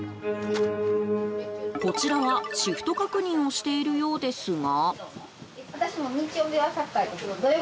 こちらは、シフト確認をしているようですが。